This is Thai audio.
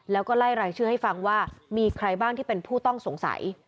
แล้วก็ไล่รายชื่อให้ฟังว่ามีใครบ้างที่เป็นผู้ต้องสงสัย